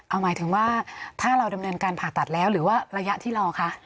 เอาหมายถึงว่าถ้าเราดำเนินการผ่าตัดแล้วหรือว่าระยะที่รอคะ